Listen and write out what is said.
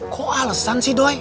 kok alesan sih doi